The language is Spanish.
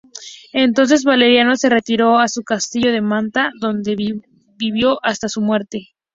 Entonces Valeriano se retiró a su castillo de Manta, donde vivió hasta su muerte.